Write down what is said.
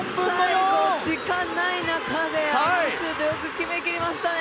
最後、時間ない中で、あのシュート、よく決めきりましたね。